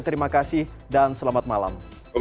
terima kasih dan selamat malam